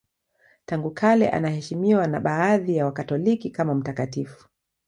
Tangu kale anaheshimiwa na baadhi ya Wakatoliki kama mtakatifu.